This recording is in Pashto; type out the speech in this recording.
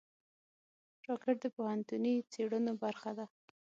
راکټ د پوهنتوني څېړنو برخه ده